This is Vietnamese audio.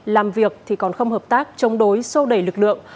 làm việc thì còn không hợp tác chống đối sô đẩy lực lượng